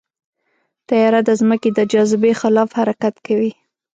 طیاره د ځمکې د جاذبې خلاف حرکت کوي.